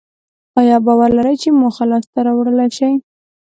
ایا باور لرئ چې موخه لاسته راوړلای شئ؟